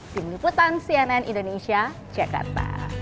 tim liputan cnn indonesia jakarta